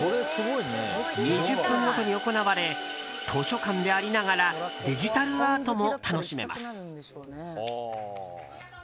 ２０分ごとに行われ図書館でありながらデジタルアートも楽しめます。